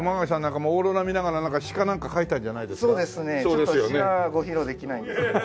ちょっと詩はご披露できないんですけども。